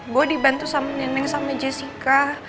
gue dibantu sama neneng sama jessica